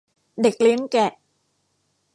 เด็กเลี้ยงแกะ